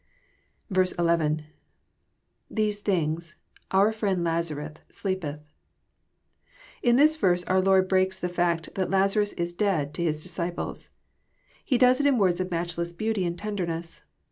li,—lThese things, „our friend Lazarus^MeepethS] In this verse oar Lord breaks the fact, that Lazarus is dead, to His disciples. He does it in words of matchless beanty and tenderness.